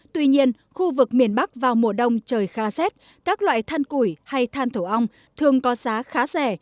tuy nhiên khu vực miền bắc vào mùa đông trời khá rét các loại than củi hay than thổ ong thường có giá khá rẻ